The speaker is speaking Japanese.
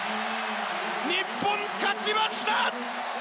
日本、勝ちました！